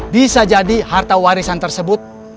bisa jadi harta warisan tersebut